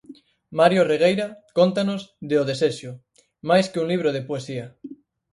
Mario Regueira cóntanos de 'O Desexo', máis que un libro de poesía.